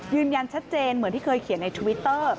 ยืนยันชัดเจนเหมือนที่เคยเขียนในทวิตเตอร์